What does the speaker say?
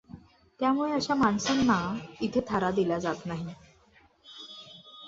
त्यामुळे अशा माणसांना इथे थारा दिला जात नाही.